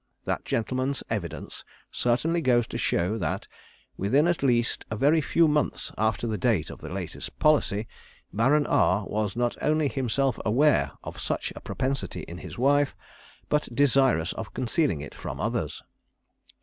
That gentleman's evidence certainly goes to show that, within at least a very few months after the date of the latest policy, Baron R was not only himself aware of such a propensity in his wife, but desirous of concealing it from others.